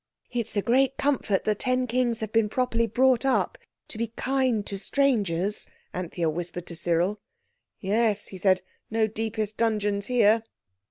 "It's a great comfort the ten Kings have been properly brought up—to be kind to strangers," Anthea whispered to Cyril. "Yes," he said, "no deepest dungeons here."